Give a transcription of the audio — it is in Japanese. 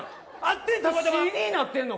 あってん